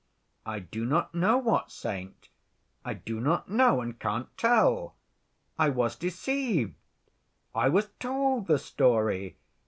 "I do not know what saint. I do not know, and can't tell. I was deceived. I was told the story.